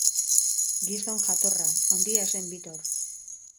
Gizon jatorra, handia zen Bittor.